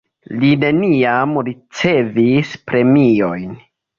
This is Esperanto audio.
Li neniam ricevis premiojn.